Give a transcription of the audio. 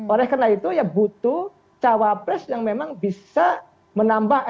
oleh karena itu ya butuh cawapres yang memang bisa menambah elekta